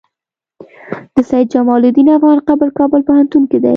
د سيد جمال الدين افغان قبر کابل پوهنتون کی دی